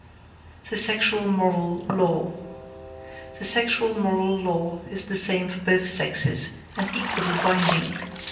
THE SEXUAL MORAL LAW The sexual moral law is the same for both sexes, and equally binding.